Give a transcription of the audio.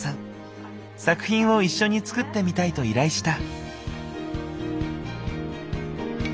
作品を一緒に作ってみたいと依頼した。